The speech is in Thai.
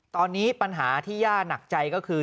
ตอนนี้ปัญหาที่ย่าหนักใจก็คือ